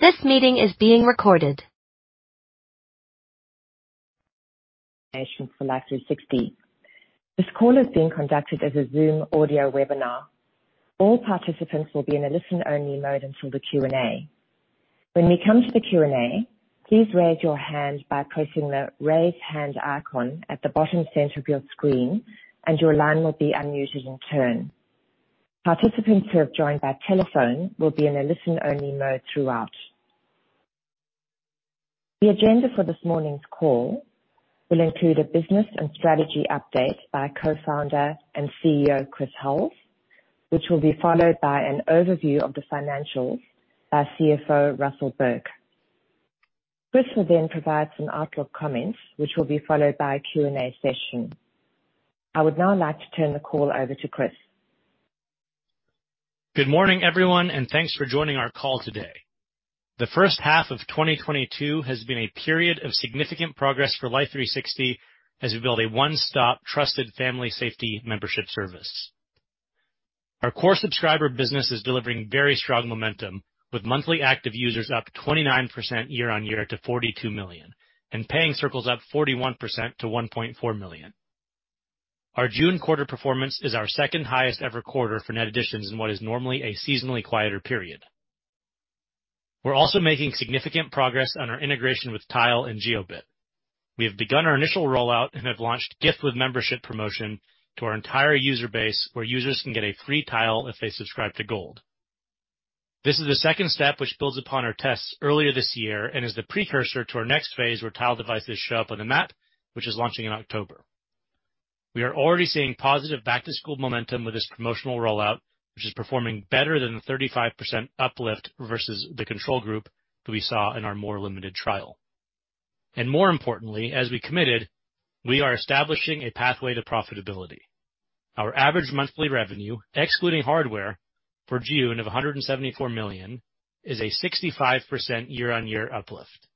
This meeting is being recorded. for Life360. This call is being conducted as a Zoom audio webinar. All participants will be in a listen-only mode until the Q&A. When we come to the Q&A, please raise your hand by pressing the Raise Hand icon at the bottom center of your screen, and your line will be unmuted in turn. Participants who have joined by telephone will be in a listen-only mode throughout. The agenda for this morning's call will include a business and strategy update by Co-founder and CEO, Chris Hulls, which will be followed by an overview of the financials by CFO, Russell Burke. Chris will then provide some outlook comments, which will be followed by a Q&A session. I would now like to turn the call over to Chris. Good morning, everyone, and thanks for joining our call today. The first half of 2022 has been a period of significant progress for Life360 as we build a one-stop trusted family safety membership service. Our core subscriber business is delivering very strong momentum, with monthly active users up 29% year-on-year to 42 million, and paying circles up 41% to 1.4 million. Our June quarter performance is our second highest ever quarter for net additions in what is normally a seasonally quieter period. We're also making significant progress on our integration with Tile and Jiobit. We have begun our initial rollout and have launched gift with membership promotion to our entire user base, where users can get a free Tile if they subscribe to Gold. This is the second step, which builds upon our tests earlier this year and is the precursor to our next phase where Tile devices show up on the map, which is launching in October. We are already seeing positive back-to-school momentum with this promotional rollout, which is performing better than the 35% uplift versus the control group that we saw in our more limited trial. More importantly, as we committed, we are establishing a pathway to profitability. Our average monthly revenue, excluding hardware, for June of $174 million, is a 65% year-on-year uplift.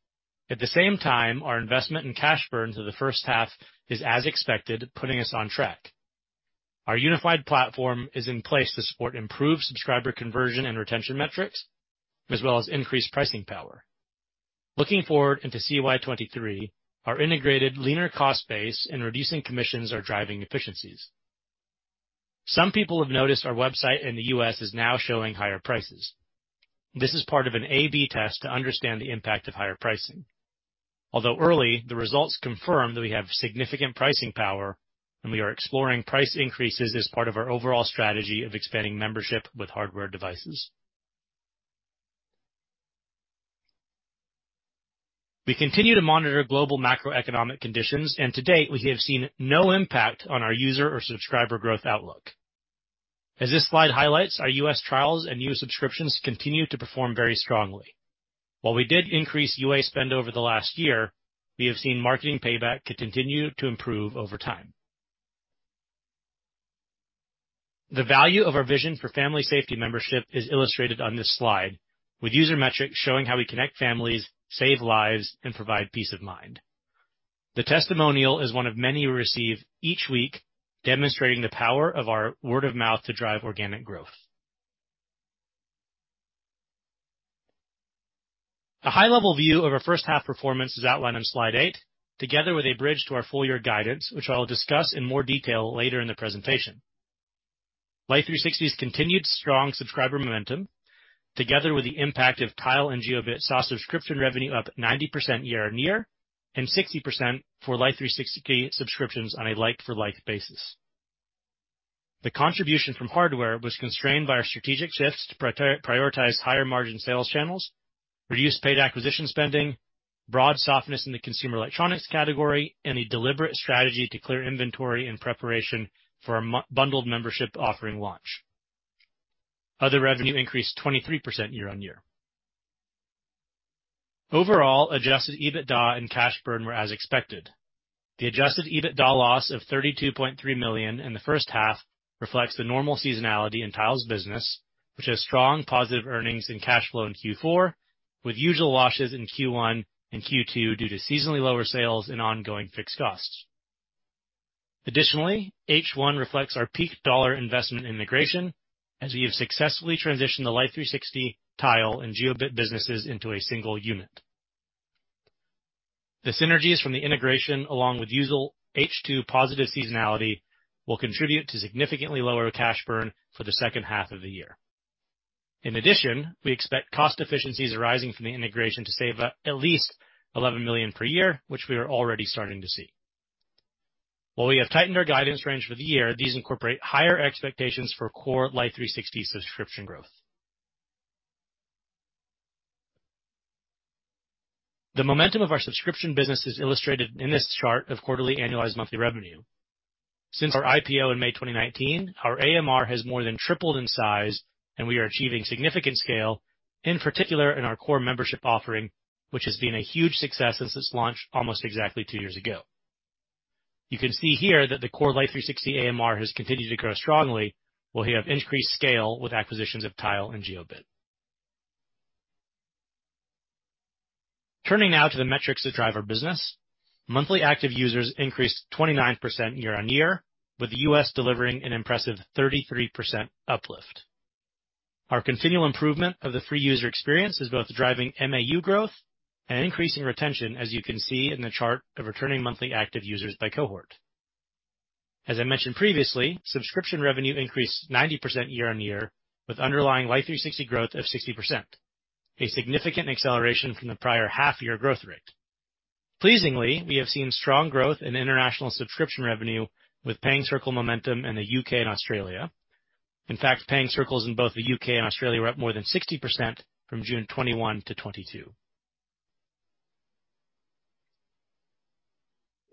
At the same time, our investment in cash burns in the first half is as expected, putting us on track. Our unified platform is in place to support improved subscriber conversion and retention metrics, as well as increased pricing power. Looking forward into CY 2023, our integrated leaner cost base and reducing commissions are driving efficiencies. Some people have noticed our website in the U.S. is now showing higher prices. This is part of an A/B test to understand the impact of higher pricing. Although early, the results confirm that we have significant pricing power, and we are exploring price increases as part of our overall strategy of expanding membership with hardware devices. We continue to monitor global macroeconomic conditions, and to date, we have seen no impact on our user or subscriber growth outlook. As this slide highlights, our U.S. trials and new subscriptions continue to perform very strongly. While we did increase UA spend over the last year, we have seen marketing payback to continue to improve over time. The value of our vision for Family Safety Membership is illustrated on this slide, with user metrics showing how we connect families, save lives, and provide peace of mind. The testimonial is one of many we receive each week demonstrating the power of our word of mouth to drive organic growth. A high-level view of our first half performance is outlined on slide eight, together with a bridge to our full-year guidance, which I'll discuss in more detail later in the presentation. Life360's continued strong subscriber momentum, together with the impact of Tile and Jiobit, saw subscription revenue up 90% year-on-year and 60% for Life360 subscriptions on a like-for-like basis. The contribution from hardware was constrained by our strategic shifts to prioritize higher margin sales channels, reduce paid acquisition spending, broad softness in the consumer electronics category, and a deliberate strategy to clear inventory in preparation for our bundled membership offering launch. Other revenue increased 23% year-over-year. Overall, adjusted EBITDA and cash burn were as expected. The adjusted EBITDA loss of $32.3 million in the first half reflects the normal seasonality in Tile's business, which has strong positive earnings and cash flow in Q4, with usual losses in Q1 and Q2 due to seasonally lower sales and ongoing fixed costs. Additionally, H1 reflects our peak dollar investment in integration as we have successfully transitioned the Life360, Tile, and Jiobit businesses into a single unit. The synergies from the integration, along with usual H2 positive seasonality, will contribute to significantly lower cash burn for the second half of the year. In addition, we expect cost efficiencies arising from the integration to save at least $11 million per year, which we are already starting to see. While we have tightened our guidance range for the year, these incorporate higher expectations for core Life360 subscription growth. The momentum of our subscription business is illustrated in this chart of quarterly annualized monthly revenue. Since our IPO in May 2019, our AMR has more than tripled in size, and we are achieving significant scale, in particular in our core membership offering, which has been a huge success since its launch almost exactly two years ago. You can see here that the core Life360 AMR has continued to grow strongly, while we have increased scale with acquisitions of Tile and Jiobit. Turning now to the metrics that drive our business. Monthly active users increased 29% year-on-year, with the U.S. delivering an impressive 33% uplift. Our continual improvement of the free user experience is both driving MAU growth and increasing retention, as you can see in the chart of returning monthly active users by cohort. As I mentioned previously, subscription revenue increased 90% year-on-year, with underlying Life360 growth of 60%, a significant acceleration from the prior half year growth rate. Pleasingly, we have seen strong growth in international subscription revenue with Paying Circles momentum in the U.K. and Australia. In fact, Paying Circles in both the U.K. and Australia were up more than 60% from June 2021 to 2022.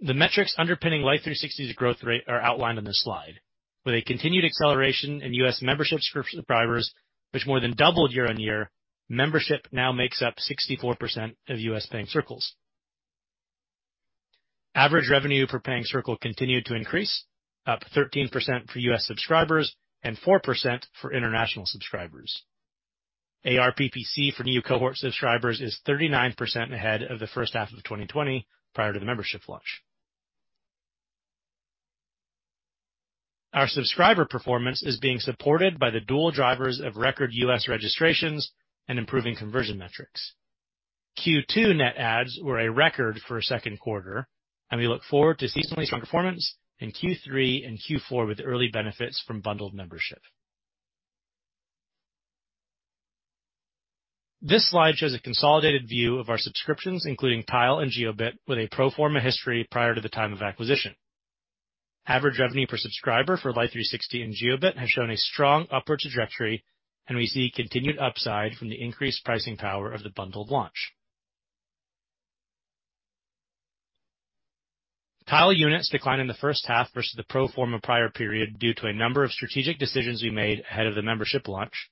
The metrics underpinning Life360's growth rate are outlined on this slide, with a continued acceleration in US membership subscribers, which more than doubled year-on-year. Membership now makes up 64% of US Paying Circles. Average revenue per Paying Circle continued to increase, up 13% for US subscribers and 4% for international subscribers. ARPPC for new cohort subscribers is 39% ahead of the first half of 2020, prior to the membership launch. Our subscriber performance is being supported by the dual drivers of record US registrations and improving conversion metrics. Q2 net adds were a record for a Q2, and we look forward to seasonally strong performance in Q3 and Q4 with early benefits from bundled membership. This slide shows a consolidated view of our subscriptions, including Tile and Jiobit, with a pro forma history prior to the time of acquisition. Average revenue per subscriber for Life360 and Jiobit has shown a strong upward trajectory, and we see continued upside from the increased pricing power of the bundled launch. Tile units declined in the first half versus the pro forma prior period due to a number of strategic decisions we made ahead of the membership launch,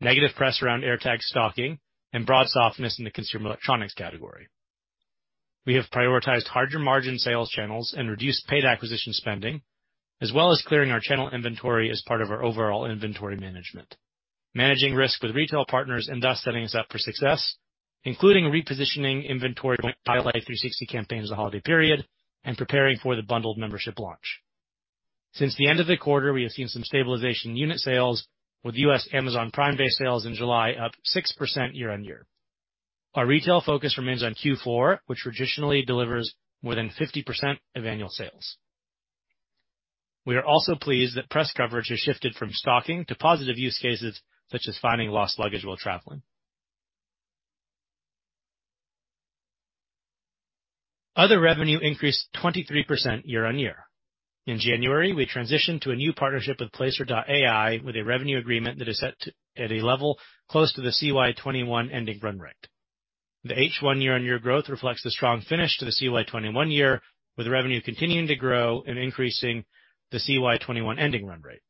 negative press around AirTag stalking, and broad softness in the consumer electronics category. We have prioritized higher margin sales channels and reduced paid acquisition spending, as well as clearing our channel inventory as part of our overall inventory management. Managing risk with retail partners and thus setting us up for success, including repositioning inventory Life360 campaigns the holiday period, and preparing for the bundled membership launch. Since the end of the quarter, we have seen some stabilization in unit sales, with U.S. Amazon Prime Day sales in July up 6% year-on-year. Our retail focus remains on Q4, which traditionally delivers more than 50% of annual sales. We are also pleased that press coverage has shifted from stalking to positive use cases such as finding lost luggage while traveling. Other revenue increased 23% year-on-year. In January, we transitioned to a new partnership with Placer.ai with a revenue agreement that is set at a level close to the CY 2021 ending run rate. The H1 year-on-year growth reflects the strong finish to the CY 2021 year, with revenue continuing to grow and increasing the CY 2021 ending run rate.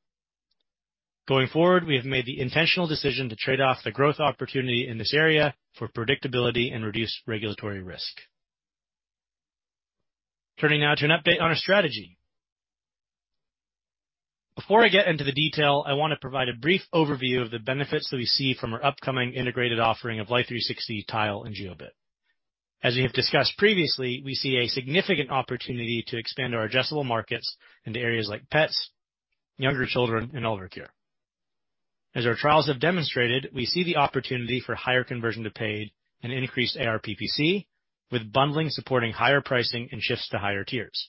Going forward, we have made the intentional decision to trade off the growth opportunity in this area for predictability and reduced regulatory risk. Turning now to an update on our strategy. Before I get into the detail, I want to provide a brief overview of the benefits that we see from our upcoming integrated offering of Life360, Tile, and Jiobit. As we have discussed previously, we see a significant opportunity to expand our addressable markets into areas like pets, younger children, and older care. As our trials have demonstrated, we see the opportunity for higher conversion to paid and increased ARPPC, with bundling supporting higher pricing and shifts to higher tiers.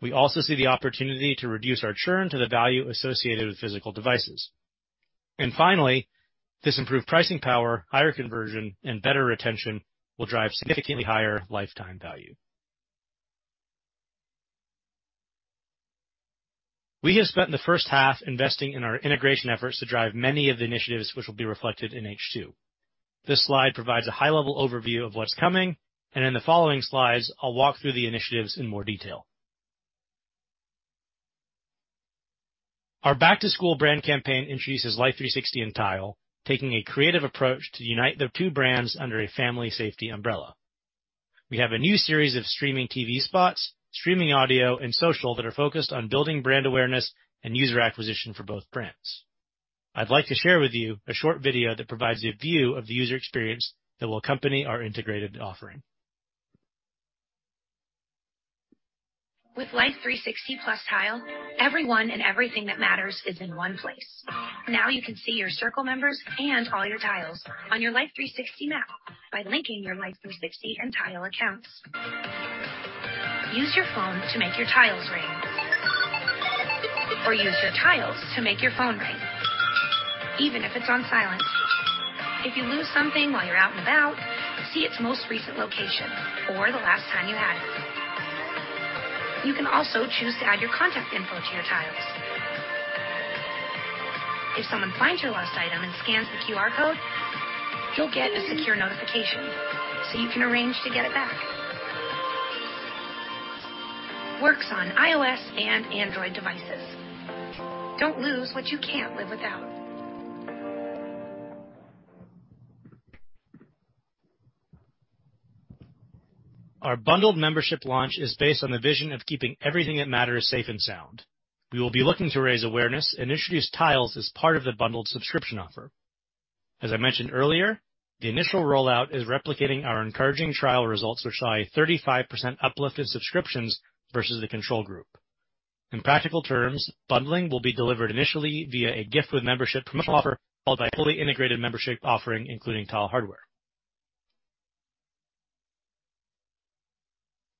We also see the opportunity to reduce our churn to the value associated with physical devices. This improved pricing power, higher conversion, and better retention will drive significantly higher lifetime value. We have spent the first half investing in our integration efforts to drive many of the initiatives which will be reflected in H2. This slide provides a high-level overview of what's coming, and in the following slides, I'll walk through the initiatives in more detail. Our back-to-school brand campaign introduces Life360 and Tile, taking a creative approach to unite the two brands under a family safety umbrella. We have a new series of streaming TV spots, streaming audio, and social that are focused on building brand awareness and user acquisition for both brands. I'd like to share with you a short video that provides a view of the user experience that will accompany our integrated offering. With Life360 plus Tile, everyone and everything that matters is in one place. Now you can see your Circle members and all your Tiles on your Life360 map by linking your Life360 and Tile accounts. Use your phone to make your Tiles ring. Or use your Tiles to make your phone ring, even if it's on silent. If you lose something while you're out and about, see its most recent location or the last time you had it. You can also choose to add your contact info to your Tiles. If someone finds your lost item and scans the QR code, you'll get a secure notification, so you can arrange to get it back. Works on iOS and Android devices. Don't lose what you can't live without. Our bundled membership launch is based on the vision of keeping everything that matters safe and sound. We will be looking to raise awareness and introduce Tiles as part of the bundled subscription offer. As I mentioned earlier, the initial rollout is replicating our encouraging trial results, which saw a 35% uplift in subscriptions versus the control group. In practical terms, bundling will be delivered initially via a gift with membership promotion offer followed by a fully integrated membership offering, including Tile hardware.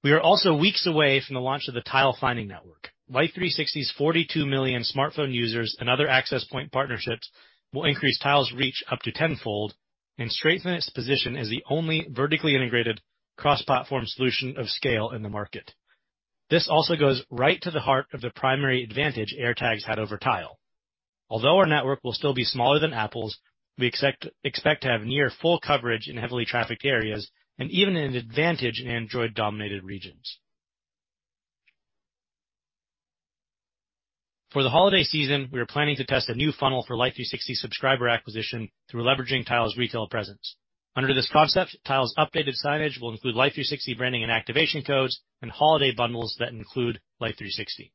We are also weeks away from the launch of the Tile Network. Life360's 42 million smartphone users and other access point partnerships will increase Tile's reach up to tenfold and strengthen its position as the only vertically integrated cross-platform solution of scale in the market. This also goes right to the heart of the primary advantage AirTags had over Tile. Although our network will still be smaller than Apple's, we expect to have near full coverage in heavily trafficked areas and even an advantage in Android-dominated regions. For the holiday season, we are planning to test a new funnel for Life360 subscriber acquisition through leveraging Tile's retail presence. Under this concept, Tile's updated signage will include Life360 branding and activation codes and holiday bundles that include Life360.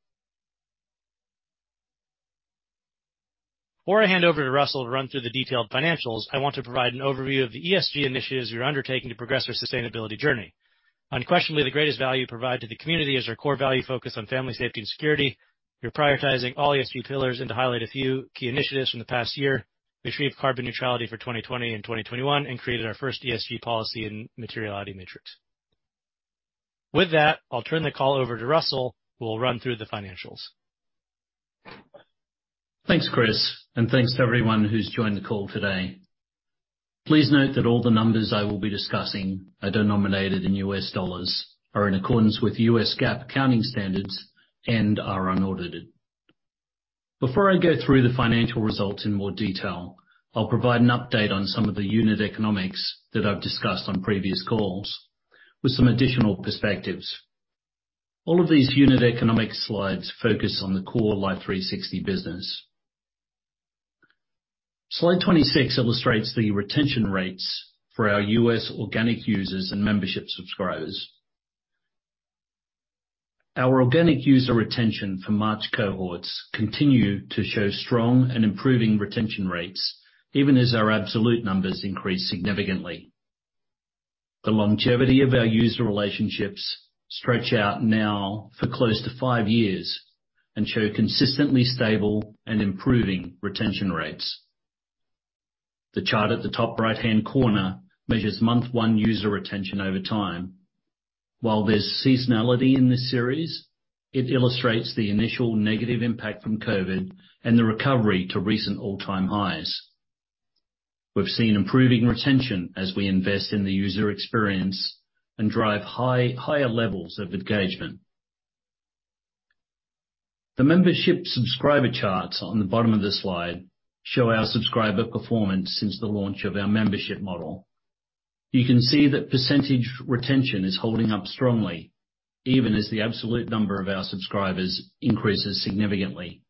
Before I hand over to Russell to run through the detailed financials, I want to provide an overview of the ESG initiatives we are undertaking to progress our sustainability journey. Unquestionably, the greatest value we provide to the community is our core value focus on family safety and security. We're prioritizing all ESG pillars, and to highlight a few key initiatives from the past year, we achieved carbon neutrality for 2020 and 2021 and created our first ESG policy and materiality matrix. With that, I'll turn the call over to Russell, who will run through the financials. Thanks, Chris, and thanks to everyone who's joined the call today. Please note that all the numbers I will be discussing are denominated in US dollars, are in accordance with US GAAP accounting standards, and are unaudited. Before I go through the financial results in more detail, I'll provide an update on some of the unit economics that I've discussed on previous calls with some additional perspectives. All of these unit economic slides focus on the core Life360 business. Slide 26 illustrates the retention rates for our US organic users and membership subscribers. Our organic user retention for March cohorts continue to show strong and improving retention rates, even as our absolute numbers increase significantly. The longevity of our user relationships stretch out now for close to five years and show consistently stable and improving retention rates. The chart at the top right-hand corner measures month 1 user retention over time. While there's seasonality in this series, it illustrates the initial negative impact from COVID and the recovery to recent all-time highs. We've seen improving retention as we invest in the user experience and drive higher levels of engagement. The membership subscriber charts on the bottom of this slide show our subscriber performance since the launch of our membership model. You can see that percentage retention is holding up strongly, even as the absolute number of our subscribers increases significantly.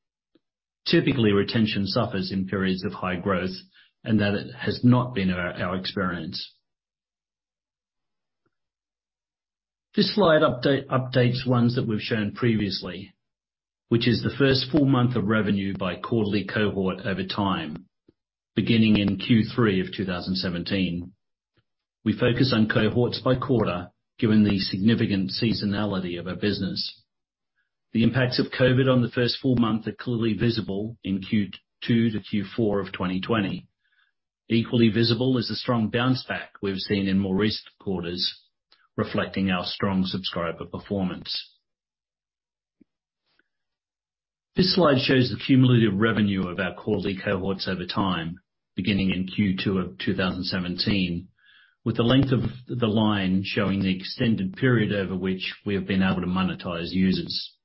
Typically, retention suffers in periods of high growth, and that has not been our experience. This slide updates ones that we've shown previously, which is the first full month of revenue by quarterly cohort over time, beginning in Q3 of 2017. We focus on cohorts by quarter, given the significant seasonality of our business. The impacts of COVID on the first full month are clearly visible in Q2-Q4 of 2020. Equally visible is the strong bounce back we've seen in more recent quarters, reflecting our strong subscriber performance. This slide shows the cumulative revenue of our quarterly cohorts over time, beginning in Q2 of 2017, with the length of the line showing the extended period over which we have been able to monetize users.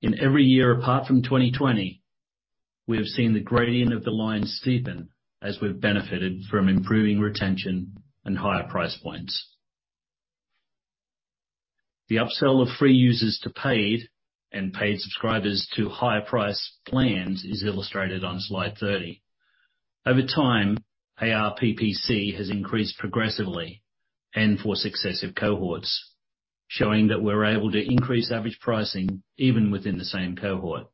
In every year apart from 2020, we have seen the gradient of the line steepen as we've benefited from improving retention and higher price points. The upsell of free users to paid and paid subscribers to higher price plans is illustrated on slide 30. Over time, ARPPC has increased progressively and for successive cohorts, showing that we're able to increase average pricing even within the same cohort.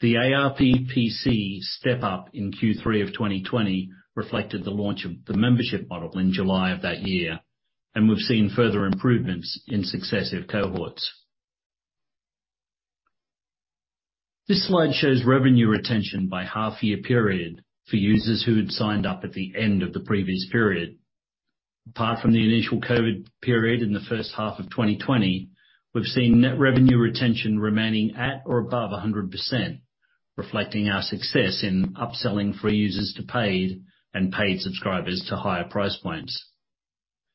The ARPPC step up in Q3 of 2020 reflected the launch of the membership model in July of that year, and we've seen further improvements in successive cohorts. This slide shows revenue retention by half-year period for users who had signed up at the end of the previous period. Apart from the initial COVID period in the first half of 2020, we've seen net revenue retention remaining at or above 100%, reflecting our success in upselling free users to paid and paid subscribers to higher price points.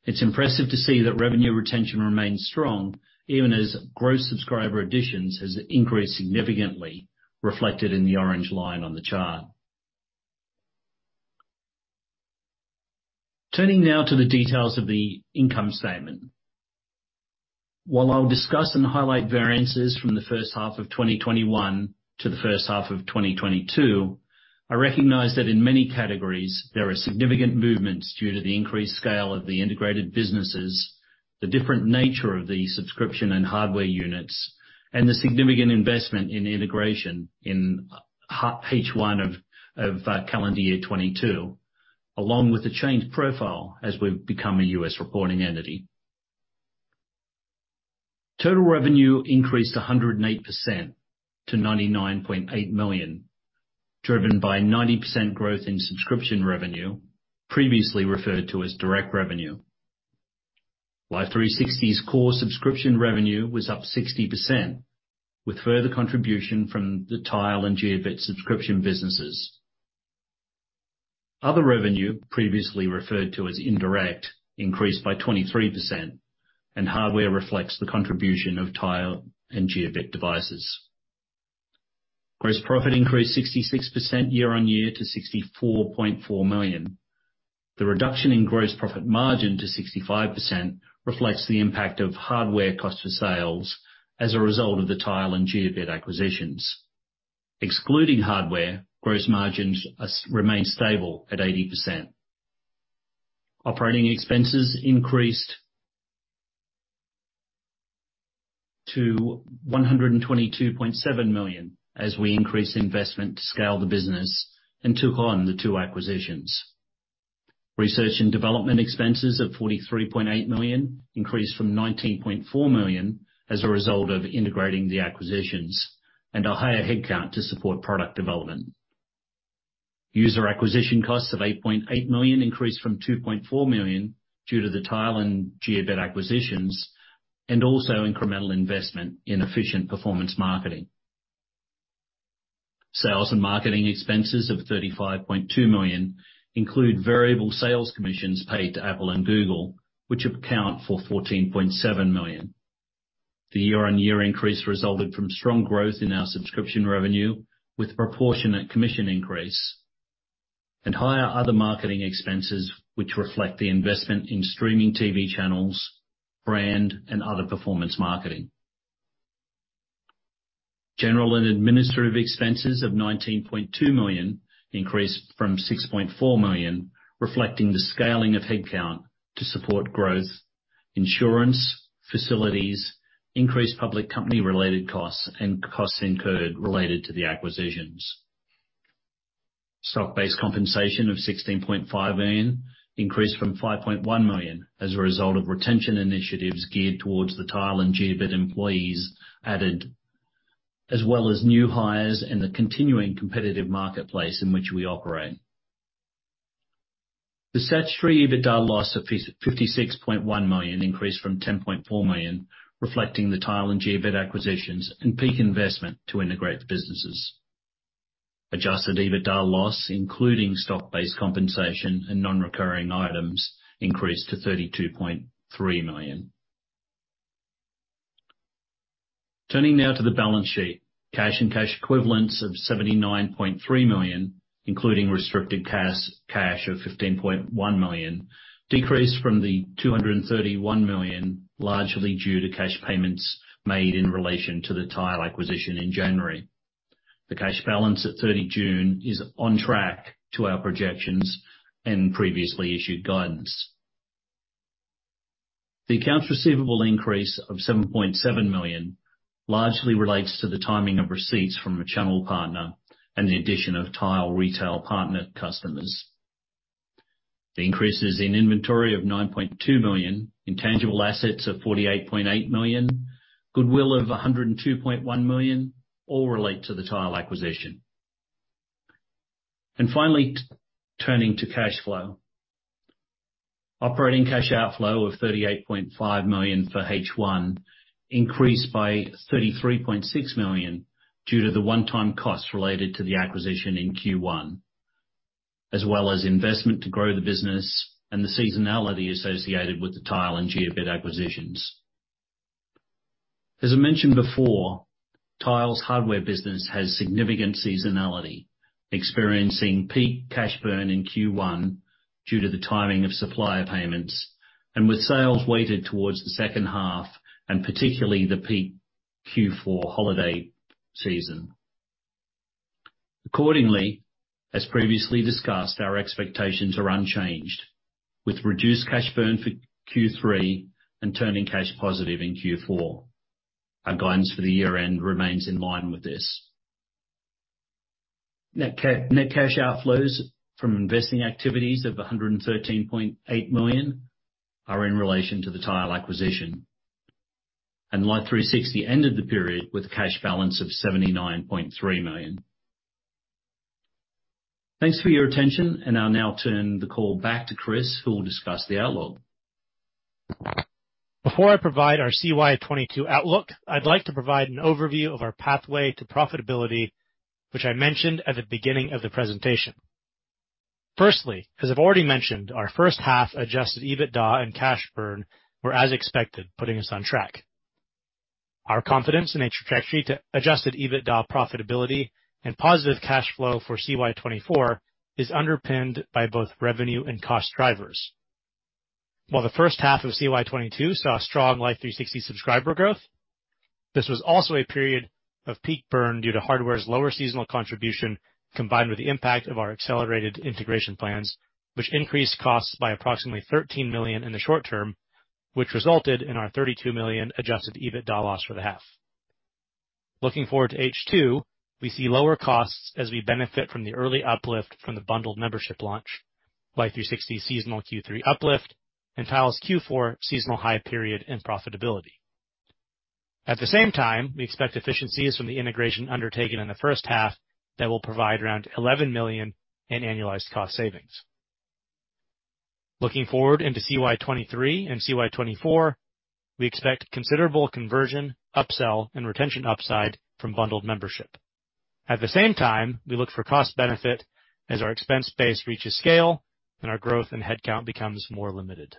It's impressive to see that revenue retention remains strong even as gross subscriber additions has increased significantly, reflected in the orange line on the chart. Turning now to the details of the income statement. While I'll discuss and highlight variances from the first half of 2021 to the first half of 2022, I recognize that in many categories, there are significant movements due to the increased scale of the integrated businesses, the different nature of the subscription and hardware units, and the significant investment in integration in H1 of calendar year 2022, along with the change profile as we've become a U.S. reporting entity. Total revenue increased 108% to $99.8 million, driven by 90% growth in subscription revenue previously referred to as direct revenue. Life360's core subscription revenue was up 60%, with further contribution from the Tile and Jiobit subscription businesses. Other revenue previously referred to as indirect increased by 23%, and hardware reflects the contribution of Tile and Jiobit devices. Gross profit increased 66% year-over-year to $64.4 million. The reduction in gross profit margin to 65% reflects the impact of hardware cost of sales as a result of the Tile and Jiobit acquisitions. Excluding hardware, gross margins remain stable at 80%. Operating expenses increased to $122.7 million as we increased investment to scale the business and took on the two acquisitions. Research and development expenses of $43.8 million increased from $19.4 million as a result of integrating the acquisitions and a higher headcount to support product development. User acquisition costs of $8.8 million increased from $2.4 million due to the Tile and Jiobit acquisitions, and also incremental investment in efficient performance marketing. Sales and marketing expenses of $35.2 million include variable sales commissions paid to Apple and Google, which account for $14.7 million. The year-on-year increase resulted from strong growth in our subscription revenue with proportionate commission increase and higher other marketing expenses, which reflect the investment in streaming TV channels, brand, and other performance marketing. General and administrative expenses of $19.2 million increased from $6.4 million, reflecting the scaling of headcount to support growth, insurance, facilities, increased public company-related costs and costs incurred related to the acquisitions. Stock-based compensation of $16.5 million increased from $5.1 million as a result of retention initiatives geared towards the Tile and Jiobit employees added, as well as new hires in the continuing competitive marketplace in which we operate. The statutory EBITDA loss of $56.1 million increased from $10.4 million, reflecting the Tile and Jiobit acquisitions and peak investment to integrate the businesses. Adjusted EBITDA loss, including stock-based compensation and non-recurring items, increased to $32.3 million. Turning now to the balance sheet. Cash and cash equivalents of $79.3 million, including restricted cash of $15.1 million, decreased from the $231 million, largely due to cash payments made in relation to the Tile acquisition in January. The cash balance at 30 June is on track to our projections and previously issued guidance. The accounts receivable increase of $7.7 million largely relates to the timing of receipts from a channel partner and the addition of Tile retail partner customers. The increases in inventory of $9.2 million, intangible assets of $48.8 million, goodwill of $102.1 million all relate to the Tile acquisition. Finally, turning to cash flow. Operating cash outflow of $38.5 million for H1 increased by $33.6 million due to the one-time costs related to the acquisition in Q1, as well as investment to grow the business and the seasonality associated with the Tile and Jiobit acquisitions. As I mentioned before, Tile's hardware business has significant seasonality, experiencing peak cash burn in Q1 due to the timing of supplier payments, and with sales weighted towards the second half and particularly the peak Q4 holiday season. Accordingly, as previously discussed, our expectations are unchanged, with reduced cash burn for Q3 and turning cash positive in Q4. Our guidance for the year-end remains in line with this. Net cash outflows from investing activities of $113.8 million are in relation to the Tile acquisition. Life360 ended the period with cash balance of $79.3 million. Thanks for your attention, and I'll now turn the call back to Chris, who will discuss the outlook. Before I provide our CY 2022 outlook, I'd like to provide an overview of our pathway to profitability, which I mentioned at the beginning of the presentation. Firstly, as I've already mentioned, our first half adjusted EBITDA and cash burn were as expected, putting us on track. Our confidence in a trajectory to adjusted EBITDA profitability and positive cash flow for CY 2024 is underpinned by both revenue and cost drivers. While the first half of CY 2022 saw strong Life360 subscriber growth, this was also a period of peak burn due to hardware's lower seasonal contribution, combined with the impact of our accelerated integration plans, which increased costs by approximately $13 million in the short term, which resulted in our $32 million adjusted EBITDA loss for the half. Looking forward to H2, we see lower costs as we benefit from the early uplift from the bundled membership launch, Life360 seasonal Q3 uplift, and Tile's Q4 seasonal high period and profitability. At the same time, we expect efficiencies from the integration undertaken in the first half that will provide around $11 million in annualized cost savings. Looking forward into CY 2023 and CY 2024, we expect considerable conversion, upsell, and retention upside from bundled membership. At the same time, we look for cost benefit as our expense base reaches scale and our growth in headcount becomes more limited.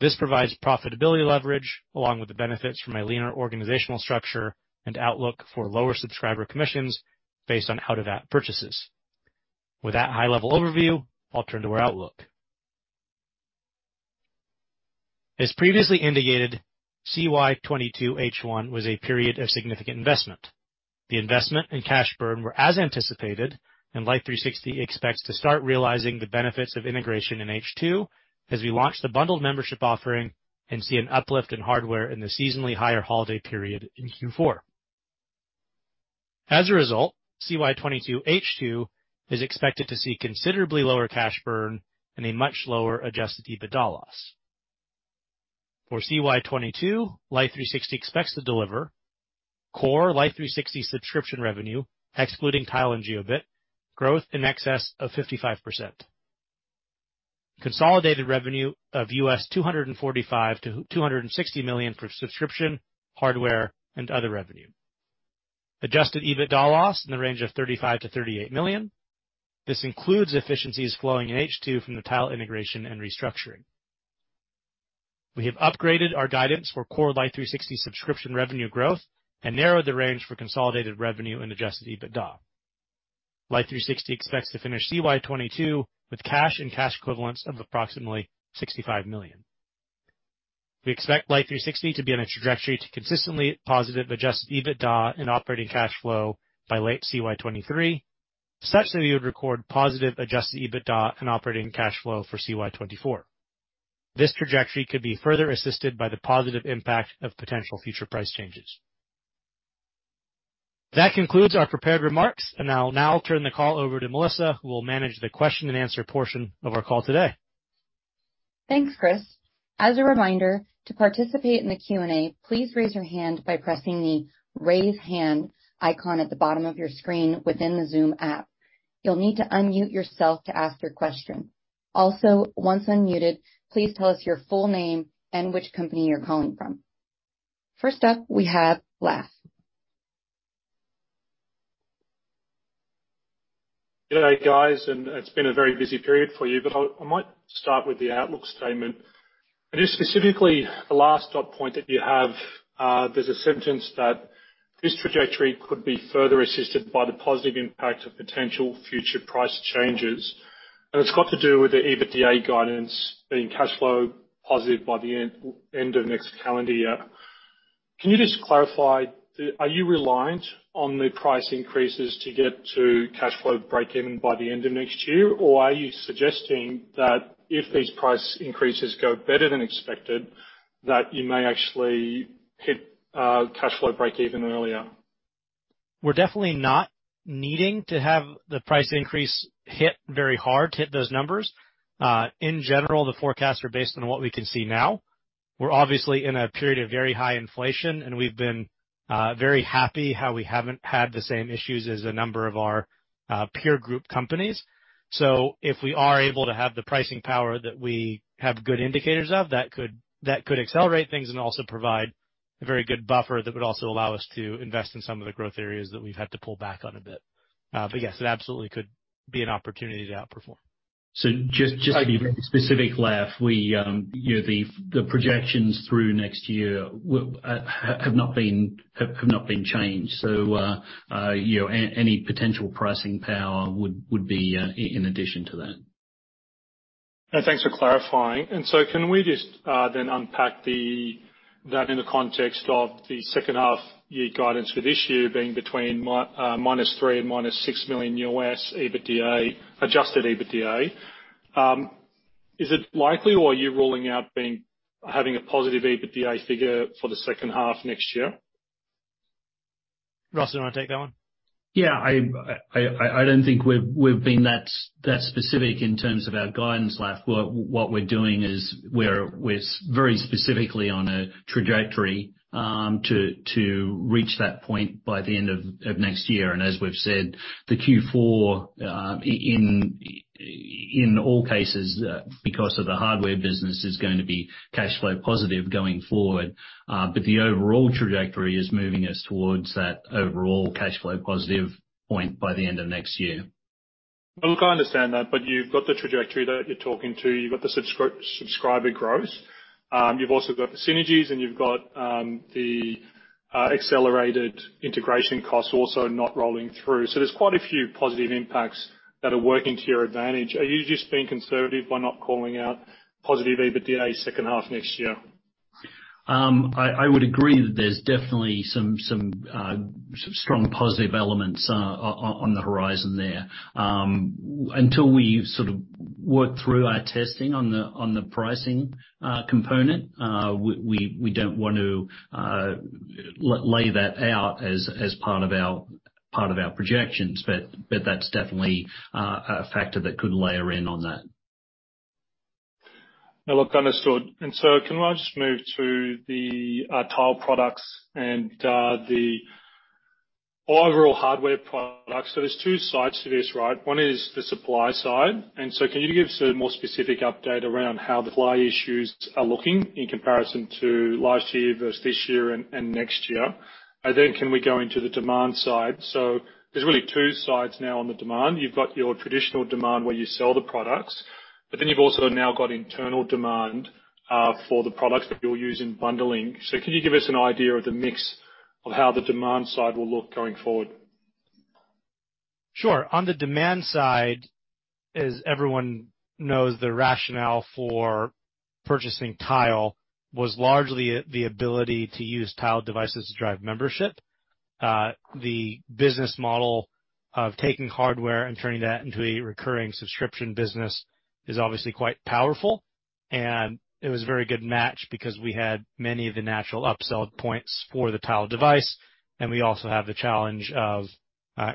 This provides profitability leverage, along with the benefits from a leaner organizational structure and outlook for lower subscriber commissions based on out-of-app purchases. With that high-level overview, I'll turn to our outlook. As previously indicated, CY 2022 H1 was a period of significant investment. The investment and cash burn were as anticipated, and Life360 expects to start realizing the benefits of integration in H2 as we launch the bundled membership offering and see an uplift in hardware in the seasonally higher holiday period in Q4. As a result, CY 2022 H2 is expected to see considerably lower cash burn and a much lower adjusted EBITDA loss. For CY 2022, Life360 expects to deliver core Life360 subscription revenue, excluding Tile and Jiobit, growth in excess of 55%. Consolidated revenue of $245 million-$260 million for subscription, hardware, and other revenue. Adjusted EBITDA loss in the range of $35 million-$38 million. This includes efficiencies flowing in H2 from the Tile integration and restructuring. We have upgraded our guidance for core Life360 subscription revenue growth and narrowed the range for consolidated revenue and adjusted EBITDA. Life360 expects to finish CY 2022 with cash and cash equivalents of approximately $65 million. We expect Life360 to be on a trajectory to consistently positive adjusted EBITDA and operating cash flow by late CY 2023, such that we would record positive adjusted EBITDA and operating cash flow for CY 2024. This trajectory could be further assisted by the positive impact of potential future price changes. That concludes our prepared remarks, and I'll now turn the call over to Melissa, who will manage the question-and-answer portion of our call today. Thanks, Chris. As a reminder, to participate in the Q&A, please raise your hand by pressing the Raise Hand icon at the bottom of your screen within the Zoom app. You'll need to unmute yourself to ask your question. Also, once unmuted, please tell us your full name and which company you're calling from. First up, we have Laf. Good day, guys, and it's been a very busy period for you, but I might start with the outlook statement. Just specifically the last dot point that you have, there's a sentence that this trajectory could be further assisted by the positive impact of potential future price changes. It's got to do with the EBITDA guidance being cash flow positive by the end of next calendar year. Can you just clarify, are you reliant on the price increases to get to cash flow breakeven by the end of next year? Or are you suggesting that if these price increases go better than expected, that you may actually hit cash flow breakeven earlier? We're definitely not needing to have the price increase hit very hard to hit those numbers. In general, the forecasts are based on what we can see now. We're obviously in a period of very high inflation, and we've been very happy how we haven't had the same issues as a number of our peer group companies. If we are able to have the pricing power that we have good indicators of, that could accelerate things and also provide a very good buffer that would also allow us to invest in some of the growth areas that we've had to pull back on a bit. Yes, it absolutely could be an opportunity to outperform. Just to be specific, Laf, you know, the projections through next year have not been changed. You know, any potential pricing power would be in addition to that. Thanks for clarifying. Can we just unpack that in the context of the second half year guidance for this year being between -$3 million and -$6 million adjusted EBITDA? Is it likely or are you ruling out having a positive EBITDA figure for the second half next year? Ross, do you wanna take that one? Yeah. I don't think we've been that specific in terms of our guidance, Laf. What we're doing is we're very specifically on a trajectory to reach that point by the end of next year. As we've said, the Q4 in all cases because of the hardware business is going to be cash flow positive going forward. The overall trajectory is moving us towards that overall cash flow positive point by the end of next year. Look, I understand that, but you've got the trajectory that you're talking to. You've got the subscriber growth. You've also got the synergies, and you've got the accelerated integration costs also not rolling through. There's quite a few positive impacts that are working to your advantage. Are you just being conservative by not calling out positive EBITDA second half next year? I would agree that there's definitely some strong positive elements on the horizon there. Until we sort of work through our testing on the pricing component, we don't want to lay that out as part of our projections. That's definitely a factor that could layer in on that. Now look, understood. Can I just move to the Tile products and the overall hardware products? There's two sides to this, right? One is the supply side. Can you give us a more specific update around how the supply issues are looking in comparison to last year versus this year and next year? Can we go into the demand side? There's really two sides now on the demand. You've got your traditional demand where you sell the products, but then you've also now got internal demand for the products that you'll use in bundling. Can you give us an idea of the mix of how the demand side will look going forward? Sure. On the demand side, as everyone knows, the rationale for purchasing Tile was largely the ability to use Tile devices to drive membership. The business model of taking hardware and turning that into a recurring subscription business is obviously quite powerful. It was a very good match because we had many of the natural upsell points for the Tile device. We also have the challenge of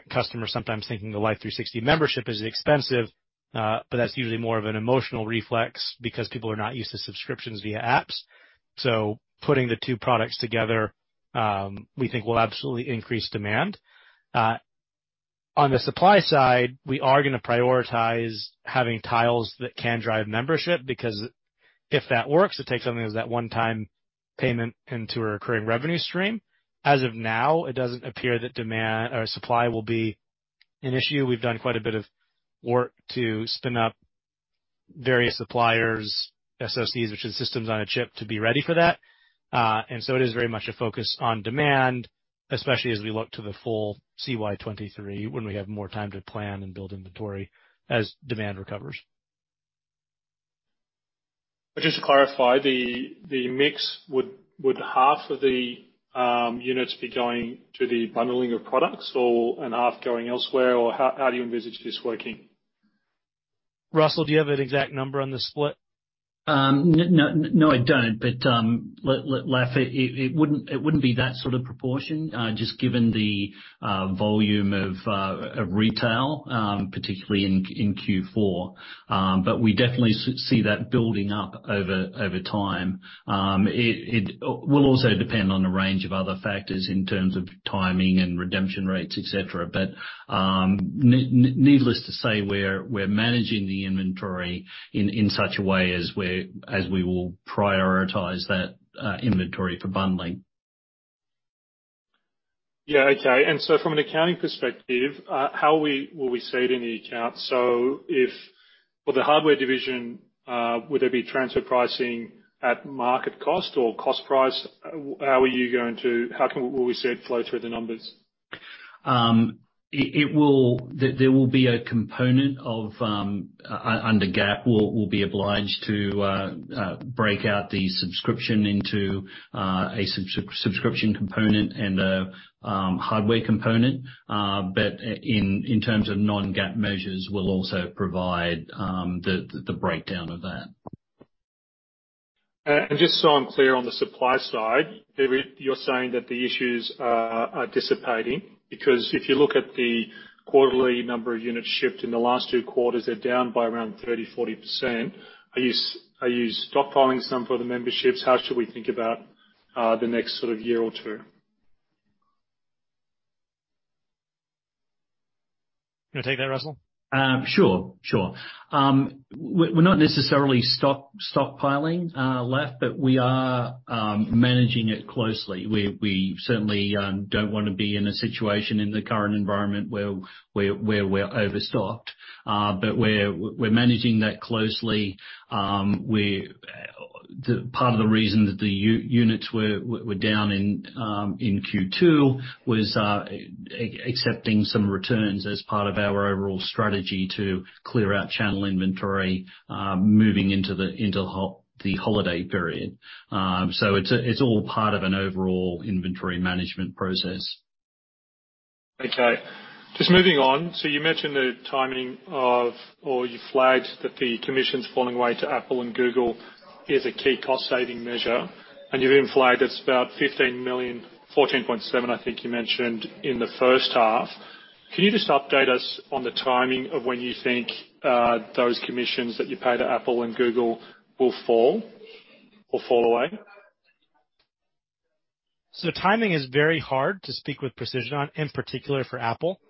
customers sometimes thinking the Life360 membership is expensive, but that's usually more of an emotional reflex because people are not used to subscriptions via apps. Putting the two products together, we think will absolutely increase demand. On the supply side, we are gonna prioritize having Tiles that can drive membership, because if that works, it takes something like that one-time payment into a recurring revenue stream. As of now, it doesn't appear that demand or supply will be an issue. We've done quite a bit of work to spin up various suppliers, SoCs, which is systems on a chip, to be ready for that. It is very much a focus on demand, especially as we look to the full CY 2023, when we have more time to plan and build inventory as demand recovers. Just to clarify, the mix, would half of the units be going to the bundling of products or and half going elsewhere? Or how do you envisage this working? Russell, do you have an exact number on the split? No, I don't, Laf, it wouldn't be that sort of proportion, just given the volume of retail, particularly in Q4. We definitely see that building up over time. It will also depend on a range of other factors in terms of timing and redemption rates, et cetera. Needless to say, we're managing the inventory in such a way as we will prioritize that inventory for bundling. Yeah. Okay. From an accounting perspective, how will we see it in the account? For the hardware division, would there be transfer pricing at market cost or cost price? Will we see it flow through the numbers? There will be a component under GAAP. We'll be obliged to break out the subscription into a subscription component and a hardware component. In terms of non-GAAP measures, we'll also provide the breakdown of that. Just so I'm clear on the supply side, you're saying that the issues are dissipating because if you look at the quarterly number of units shipped in the last two quarters, they're down by around 30-40%. Are you stockpiling some for the memberships? How should we think about the next sort of year or two? You wanna take that, Russell? Sure. We're not necessarily stockpiling, Laf, but we are managing it closely. We certainly don't wanna be in a situation in the current environment where we're overstocked, but we're managing that closely. The part of the reason that the units were down in Q2 was accepting some returns as part of our overall strategy to clear out channel inventory moving into the holiday period. It's all part of an overall inventory management process. Okay. Just moving on. You mentioned the timing of, or you flagged that the commissions falling away to Apple and Google is a key cost saving measure. You've even flagged it's about $15 million, $14.7 million, I think you mentioned, in the first half. Can you just update us on the timing of when you think, those commissions that you pay to Apple and Google will fall or fall away? Timing is very hard to speak with precision on, in particular for Apple.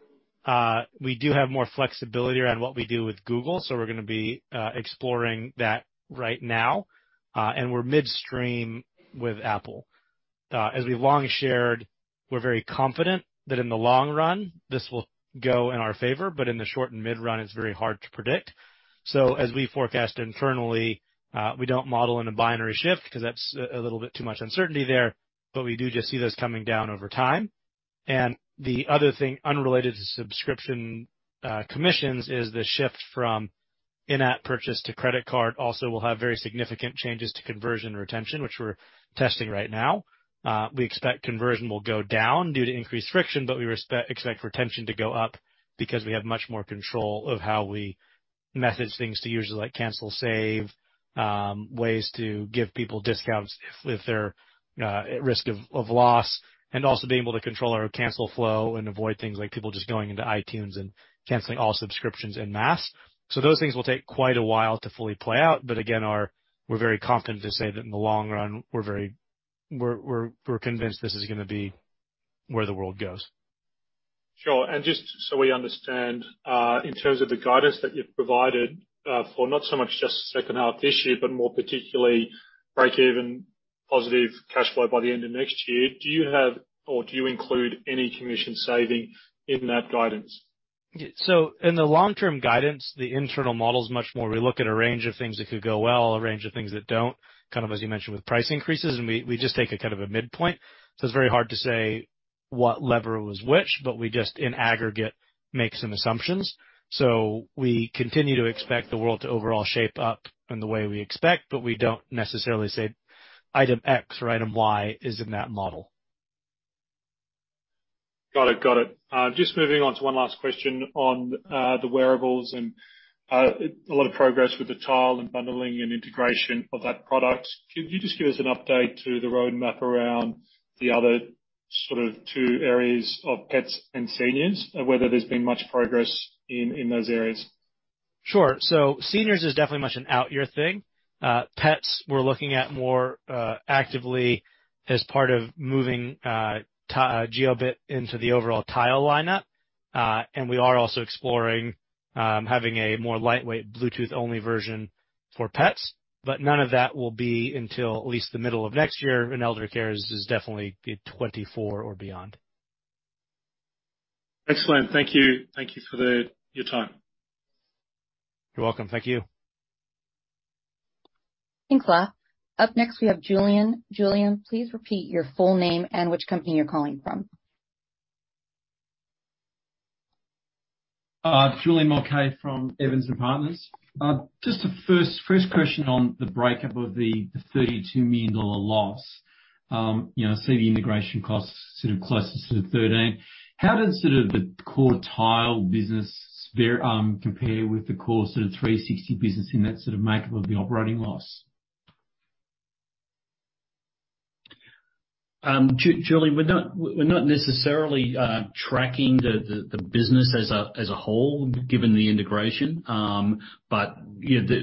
We do have more flexibility around what we do with Google, so we're gonna be exploring that right now. We're midstream with Apple. As we've long shared, we're very confident that in the long run, this will go in our favor, but in the short and mid run, it's very hard to predict. As we forecast internally, we don't model in a binary shift 'cause that's a little bit too much uncertainty there, but we do just see those coming down over time. The other thing unrelated to subscription commissions is the shift from in-app purchase to credit card also will have very significant changes to conversion retention, which we're testing right now. We expect conversion will go down due to increased friction, but we expect retention to go up because we have much more control of how we message things to users, like cancel, save, ways to give people discounts if they're at risk of loss, and also being able to control our cancel flow and avoid things like people just going into iTunes and canceling all subscriptions en masse. Those things will take quite a while to fully play out, but again, we're very confident to say that in the long run, we're convinced this is gonna be where the world goes. Sure. Just so we understand, in terms of the guidance that you've provided, for not so much just second half this year, but more particularly break-even positive cash flow by the end of next year, do you have or do you include any commission saving in that guidance? In the long term guidance, the internal model is much more, we look at a range of things that could go well, a range of things that don't, kind of as you mentioned, with price increases, and we just take a kind of a midpoint. It's very hard to say what lever was which, but we just in aggregate, make some assumptions. We continue to expect the world to overall shape up in the way we expect, but we don't necessarily say item X or item Y is in that model. Got it. Just moving on to one last question on the wearables and a lot of progress with the Tile and bundling and integration of that product. Could you just give us an update to the roadmap around the other sort of two areas of pets and seniors, whether there's been much progress in those areas? Sure. Seniors is definitely much of an outyear thing. Pets, we're looking at more actively as part of moving Jiobit into the overall Tile lineup. We are also exploring having a more lightweight Bluetooth-only version for pets. None of that will be until at least the middle of next year, and elder care is definitely 2024 or beyond. Excellent. Thank you. Thank you for your time. You're welcome. Thank you. Thanks, Clive. Up next, we have Julian. Julian, please repeat your full name and which company you're calling from. Julian Mulcahy from Evans & Partners. Just the first question on the breakup of the $32 million loss. You know, I see the integration costs sort of closest to $13 million. How does sort of the core Tile business fare, compare with the core sort of Life360 in that sort of makeup of the operating loss? Julian, we're not necessarily tracking the business as a whole, given the integration. You know,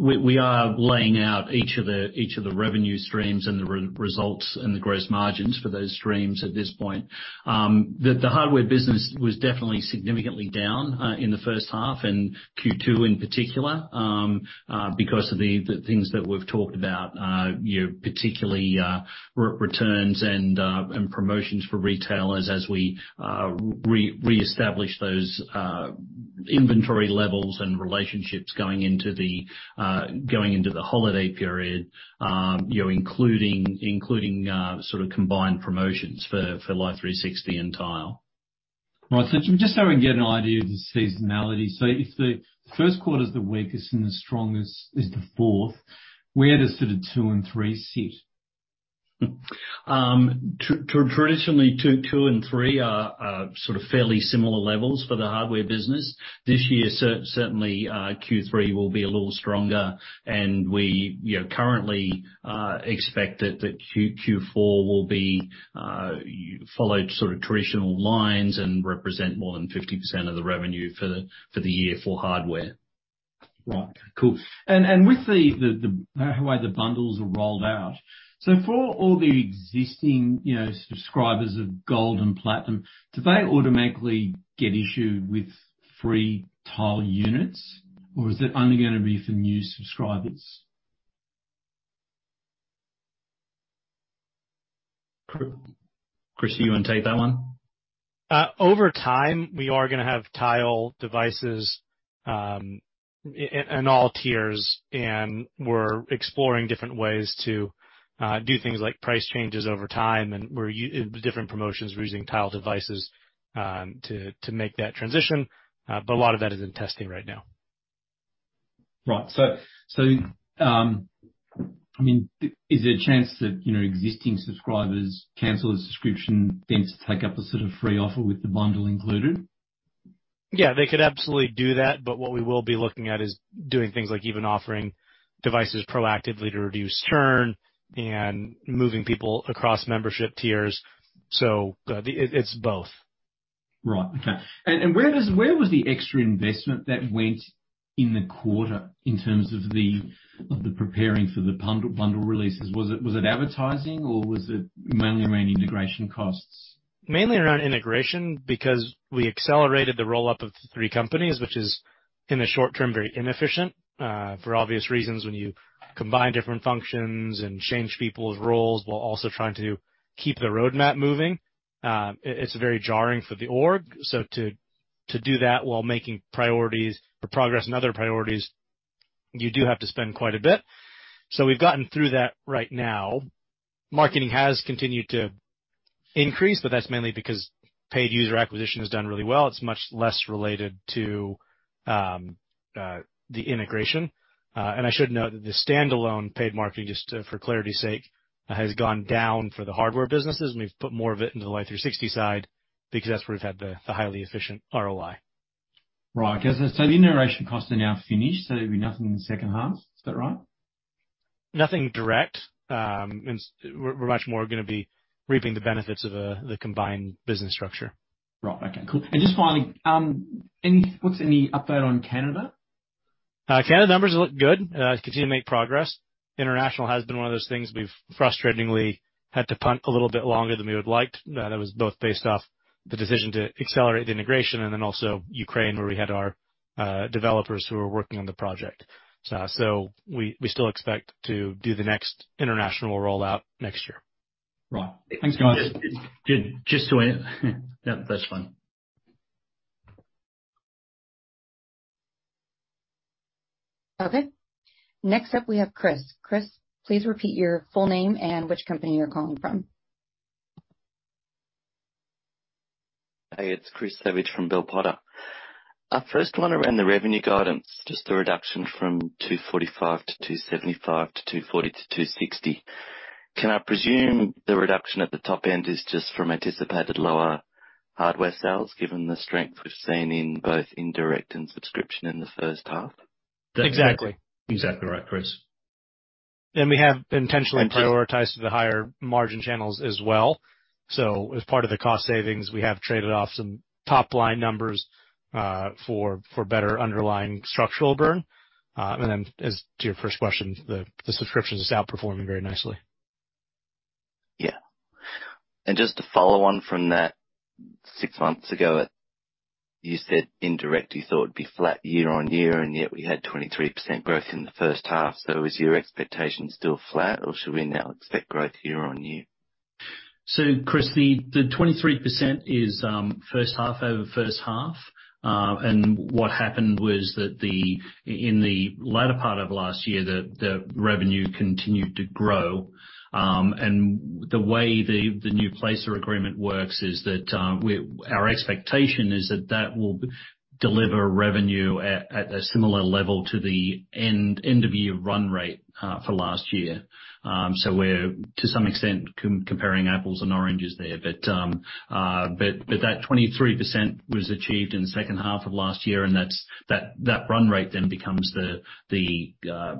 we are laying out each of the revenue streams and the results and the gross margins for those streams at this point. The hardware business was definitely significantly down in the first half and Q2 in particular, because of the things that we've talked about, you know, particularly returns and promotions for retailers as we reestablish those inventory levels and relationships going into the holiday period, you know, including sort of combined promotions for Life360 and Tile. Right. Just so we can get an idea of the seasonality. If the Q1 is the weakest and the strongest is the fourth, where does sort of two and three sit? Traditionally, two and three are sort of fairly similar levels for the hardware business. This year, certainly, Q3 will be a little stronger, and we, you know, currently expect that the Q4 will follow sort of traditional lines and represent more than 50% of the revenue for the year for hardware. Right. Cool. With how the bundles are rolled out, so for all the existing, you know, subscribers of Gold and Platinum, do they automatically get issued with free Tile units, or is it only gonna be for new subscribers? Chris, do you wanna take that one? Over time, we are gonna have Tile devices in all tiers, and we're exploring different ways to do things like price changes over time and different promotions. We're using Tile devices to make that transition, but a lot of that is in testing right now. Right. I mean, is there a chance that, you know, existing subscribers cancel the subscription, then take up a sort of free offer with the bundle included? Yeah, they could absolutely do that, but what we will be looking at is doing things like even offering devices proactively to reduce churn and moving people across membership tiers. It's both. Right. Okay. Where was the extra investment that went in the quarter in terms of the preparing for the bundle releases? Was it advertising, or was it mainly around integration costs? Mainly around integration, because we accelerated the roll-up of three companies, which is, in the short term, very inefficient, for obvious reasons. When you combine different functions and change people's roles while also trying to keep the roadmap moving, it's very jarring for the org. To do that while making progress in other priorities, you do have to spend quite a bit. We've gotten through that right now. Marketing has continued to increase, but that's mainly because paid user acquisition has done really well. It's much less related to the integration. And I should note that the standalone paid marketing, just for clarity's sake, has gone down for the hardware businesses, and we've put more of it into the Life360 side because that's where we've had the highly efficient ROI. Right. Okay so, the integration costs are now finished, so there'll be nothing in the second half. Is that right? Nothing direct. We're much more gonna be reaping the benefits of the combined business structure. Right. Okay, cool. Just finally, what's the new update on Canada? Canada numbers look good. Continue to make progress. International has been one of those things we've frustratingly had to punt a little bit longer than we would've liked. That was both based off the decision to accelerate the integration and then also Ukraine, where we had our developers who were working on the project. We still expect to do the next international rollout next year. Right. Thanks, guys. Just to end. Yep, that's fine. Okay. Next up, we have Chris. Chris, please repeat your full name and which company you're calling from. Hey, it's Chris Savage from Bell Potter. First one around the revenue guidance, just the reduction from $245-$275 to $240-$260. Can I presume the reduction at the top end is just from anticipated lower hardware sales, given the strength we've seen in both indirect and subscription in the first half? Exactly. Exactly right, Chris. We have intentionally prioritized the higher margin channels as well. As part of the cost savings, we have traded off some top-line numbers for better underlying structural burn. As to your first question, the subscription is outperforming very nicely. Yeah. Just to follow on from that, six months ago, you said indirect, you thought it'd be flat year-over-year, and yet we had 23% growth in the first half. Is your expectation still flat, or should we now expect growth year-over-year? Chris, the 23% is first half over first half. What happened was that in the latter part of last year, the revenue continued to grow, and the way the new Placer.ai agreement works is that our expectation is that that will deliver revenue at a similar level to the end-of-year run rate for last year. We're to some extent comparing apples and oranges there. That 23% was achieved in the second half of last year, and that's that run rate then becomes the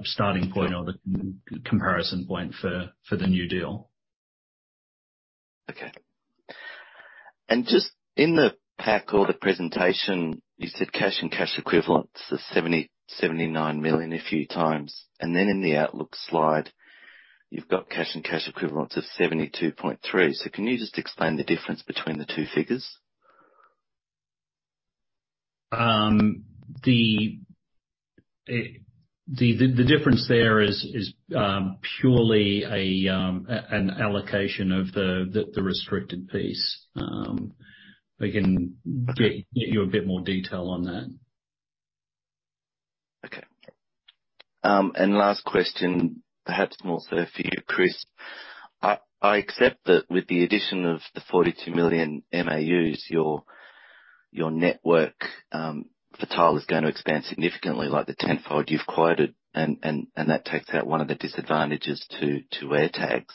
starting point or the comparison point for the new deal. Okay. Just in the pack or the presentation, you said cash and cash equivalents of $77.9 million a few times. Then in the outlook slide, you've got cash and cash equivalents of $72.3 million. Can you just explain the difference between the two figures? The difference there is purely an allocation of the restricted piece. We can get- Okay. Get you a bit more detail on that. Okay. Last question, perhaps more so for you, Chris. I accept that with the addition of the 42 million MAUs, your network for Tile is gonna expand significantly, like the tenfold you've quoted, and that takes out one of the disadvantages to AirTags.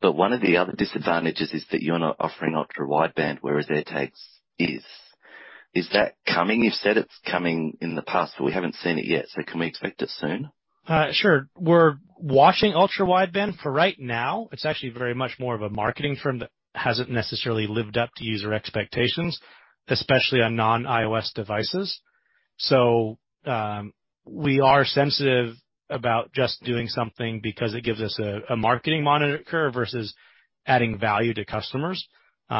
But one of the other disadvantages is that you're not offering ultra-wideband, whereas AirTags is. Is that coming? You've said it's coming in the past, but we haven't seen it yet. Can we expect it soon? Sure. We're watching ultra-wideband. For right now, it's actually very much more of a marketing term that hasn't necessarily lived up to user expectations, especially on non-iOS devices. We are sensitive about just doing something because it gives us a marketing moniker versus adding value to customers. There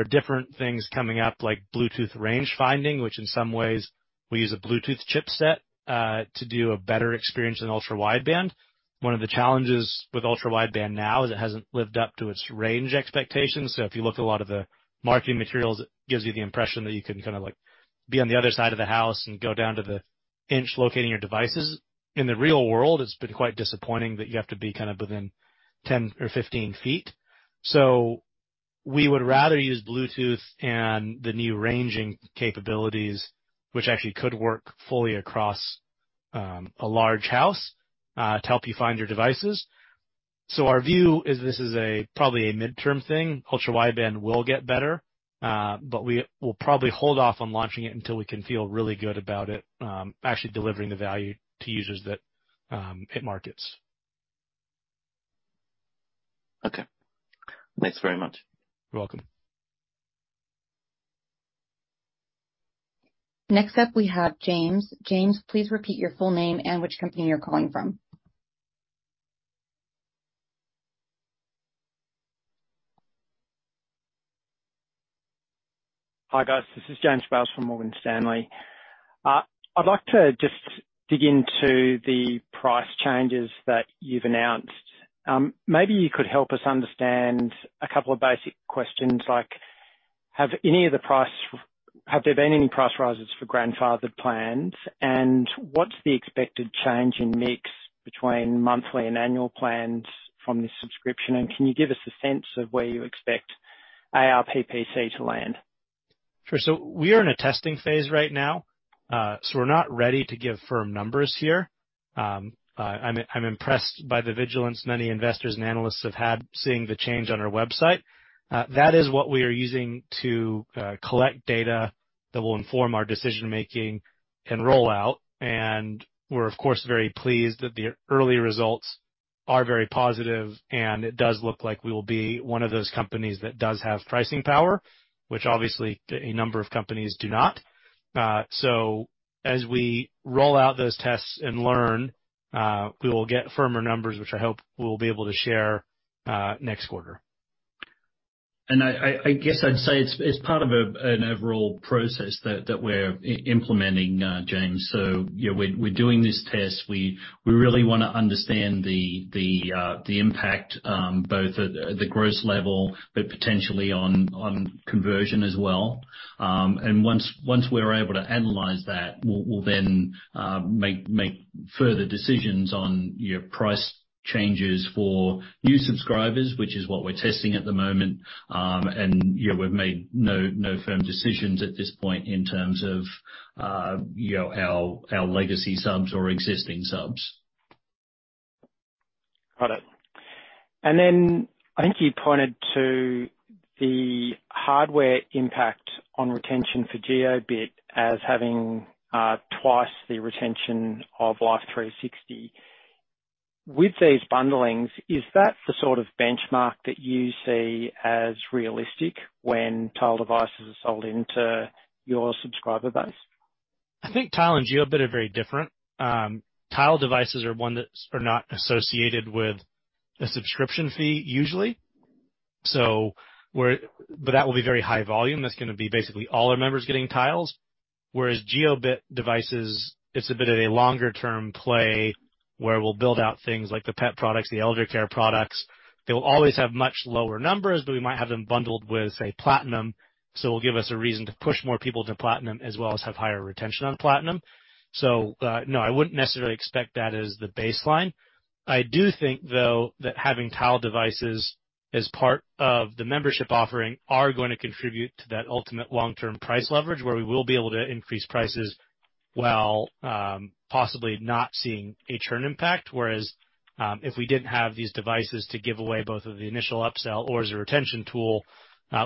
are different things coming up, like Bluetooth range finding, which in some ways we use a Bluetooth chipset to do a better experience than ultra-wideband. One of the challenges with ultra-wideband now is it hasn't lived up to its range expectations. If you look at a lot of the marketing materials, it gives you the impression that you can kinda, like, be on the other side of the house and go down to the inch locating your devices. In the real world, it's been quite disappointing that you have to be kind of within 10 or 15 feet. We would rather use Bluetooth and the new ranging capabilities, which actually could work fully across a large house to help you find your devices. Our view is this is probably a midterm thing. ultra-wideband will get better, but we will probably hold off on launching it until we can feel really good about it actually delivering the value to users that it markets. Okay. Thanks very much. You're welcome. Next up we have James. James, please repeat your full name and which company you're calling from. Hi guys, this is James Bales from Morgan Stanley. I'd like to just dig into the price changes that you've announced. Maybe you could help us understand a couple of basic questions like, have there been any price rises for grandfathered plans? What's the expected change in mix between monthly and annual plans from this subscription? Can you give us a sense of where you expect ARPPC to land? Sure. We are in a testing phase right now, so we're not ready to give firm numbers here. I'm impressed by the vigilance many investors and analysts have had seeing the change on our website. That is what we are using to collect data that will inform our decision-making and rollout. We're of course very pleased that the early results are very positive, and it does look like we will be one of those companies that does have pricing power, which obviously a number of companies do not. As we roll out those tests and learn, we will get firmer numbers, which I hope we'll be able to share next quarter. I guess I'd say it's part of an overall process that we're implementing, James. You know, we're doing this test. We really wanna understand the impact both at the gross level, but potentially on conversion as well. Once we're able to analyze that, we'll then make further decisions on, you know, price changes for new subscribers, which is what we're testing at the moment. You know, we've made no firm decisions at this point in terms of, you know, our legacy subs or existing subs. Got it. I think you pointed to the hardware impact on retention for Jiobit as having twice the retention of Life360. With these bundling, is that the sort of benchmark that you see as realistic when Tile devices are sold into your subscriber base? I think Tile and Jiobit are very different. Tile devices are ones that are not associated with a subscription fee usually. But that will be very high volume. That's gonna be basically all our members getting Tiles. Whereas Jiobit devices, it's a bit of a longer-term play where we'll build out things like the pet products, the elder care products. They will always have much lower numbers, but we might have them bundled with a Platinum, so it'll give us a reason to push more people to Platinum as well as have higher retention on Platinum. No, I wouldn't necessarily expect that as the baseline. I do think, though, that having Tile devices as part of the membership offering are going to contribute to that ultimate long-term price leverage, where we will be able to increase prices while possibly not seeing a churn impact. Whereas, if we didn't have these devices to give away both of the initial upsell or as a retention tool,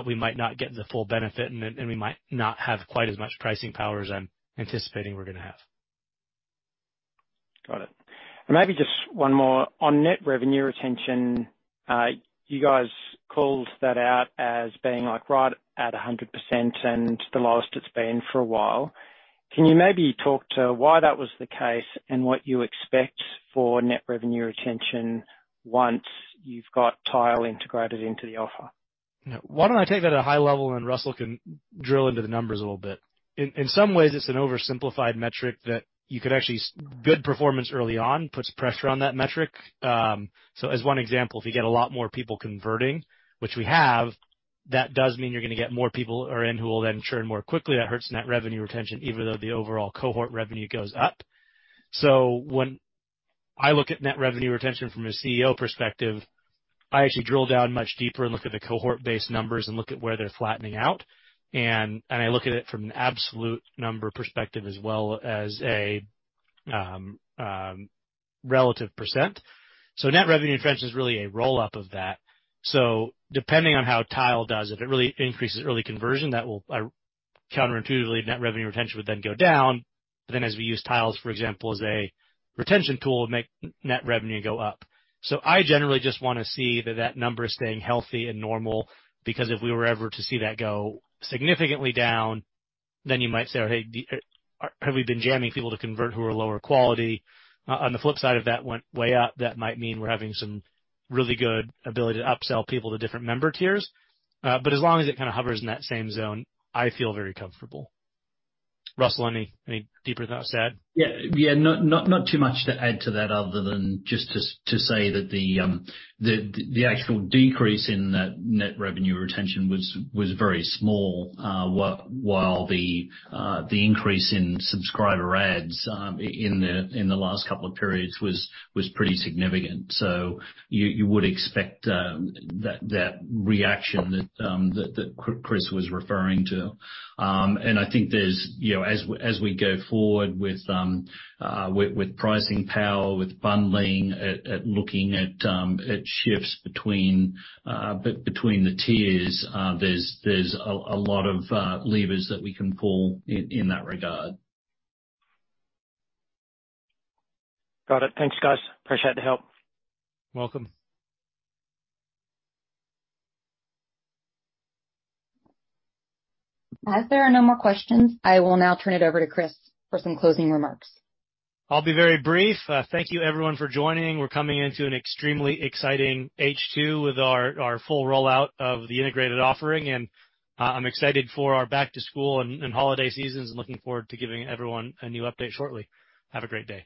we might not get the full benefit, and then we might not have quite as much pricing power as I'm anticipating we're gonna have. Got it. Maybe just one more. On net revenue retention, you guys called that out as being like right at 100% and the lowest it's been for a while. Can you maybe talk to why that was the case and what you expect for net revenue retention once you've got Tile integrated into the offer? Why don't I take that at a high level, and Russell can drill into the numbers a little bit. In some ways, it's an oversimplified metric. Good performance early on puts pressure on that metric. As one example, if you get a lot more people converting, which we have, that does mean you're gonna get more people are in who will then churn more quickly. That hurts net revenue retention, even though the overall cohort revenue goes up. When I look at net revenue retention from a CEO perspective, I actually drill down much deeper and look at the cohort-based numbers and look at where they're flattening out. I look at it from an absolute number perspective as well as a relative percent. Net revenue retention is really a roll-up of that. Depending on how Tile does, if it really increases early conversion, that will counterintuitively, net revenue retention would then go down. Then as we use Tiles, for example, as a retention tool, it'll make net revenue go up. I generally just wanna see that number is staying healthy and normal because if we were ever to see that go significantly down, then you might say, "Well, hey, the, have we been jamming people to convert who are lower quality?" On the flip side of that went way up, that might mean we're having some really good ability to upsell people to different member tiers. As long as it kind of hovers in that same zone, I feel very comfortable. Russell, any deeper thoughts to add? Yeah. Yeah, not too much to add to that other than just to say that the actual decrease in that net revenue retention was very small, while the increase in subscriber adds in the last couple of periods was pretty significant. You would expect that reaction that Chris was referring to. I think there's, you know, as we go forward with pricing power, with bundling, at looking at shifts between the tiers, there's a lot of levers that we can pull in that regard. Got it. Thanks, guys. Appreciate the help. Welcome. As there are no more questions, I will now turn it over to Chris for some closing remarks. I'll be very brief. Thank you everyone for joining. We're coming into an extremely exciting H2 with our full rollout of the integrated offering, and I'm excited for our back to school and holiday seasons and looking forward to giving everyone a new update shortly. Have a great day.